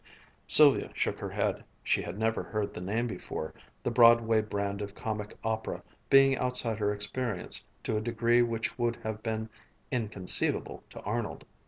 Sylvia shook her head. She had never heard the name before, the Broadway brand of comic opera being outside her experience to a degree which would have been inconceivable to Arnold.